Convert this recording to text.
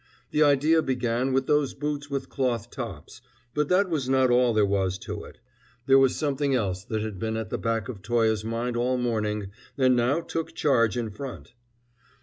The idea began with those boots with cloth tops, but that was not all there was to it; there was something else that had been at the back of Toye's mind all morning, and now took charge in front.